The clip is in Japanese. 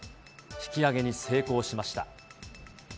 引き揚げに成功しました。